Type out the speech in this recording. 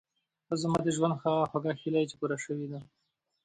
ته زما د ژوند هغه خوږه هیله یې چې پوره شوې ده.